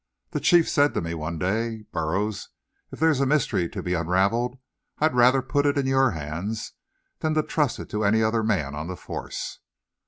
The Chief said to me one day: "Burroughs, if there's a mystery to be unravelled; I'd rather put it in your hands than to trust it to any other man on the force.